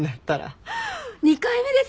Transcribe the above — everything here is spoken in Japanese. ２回目です